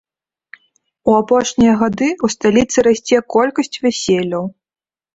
У апошнія гады ў сталіцы расце колькасць вяселляў.